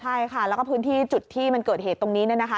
ใช่ค่ะแล้วก็พื้นที่จุดที่มันเกิดเหตุตรงนี้เนี่ยนะคะ